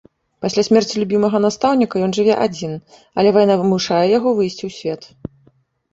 Пасля смерці любімага настаўніка ён жыве адзін, але вайна вымушае яго выйсці ў свет.